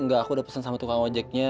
enggak aku udah pesan sama tukang ojeknya